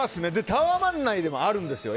タワマン内でもあるんですよ。